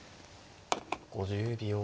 ５０秒。